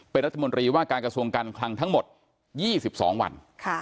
เป็นรัฐมนตรีว่าการกระทรวงการคลังทั้งหมด๒๒วัน